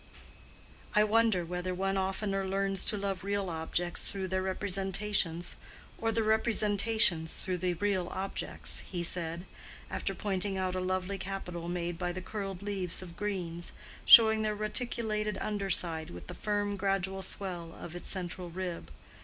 "I wonder whether one oftener learns to love real objects through their representations, or the representations through the real objects," he said, after pointing out a lovely capital made by the curled leaves of greens, showing their reticulated under side with the firm gradual swell of its central rib.